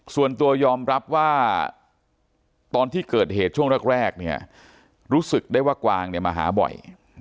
ส่วนตัวยอมรับว่าตอนที่เกิดเหตุช่วงแรกรู้สึกได้ว่ากวางมาหาบ่อย